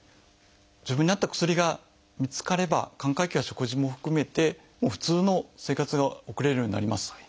自分に合った薬が見つかれば寛解期は食事も含めて普通の生活が送れるようになります。